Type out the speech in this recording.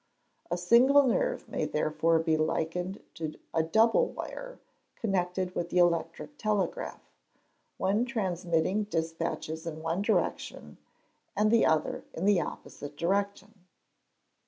A single nerve may therefore be likened to a double wire connected with the electric telegraph: one transmitting despatches in one direction, and the other in the opposite direction.